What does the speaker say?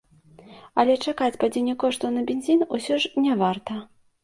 Але чакаць падзення коштаў на бензін усё ж не варта.